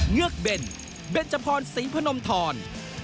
เงือกเบนเบนจพรศรีพนมทร